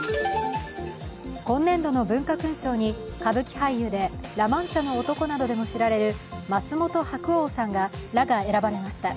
今年度の文化勲章に歌舞伎俳優で「ラ・マンチャの男」などでも知られる松本白鸚さんらが選ばれました。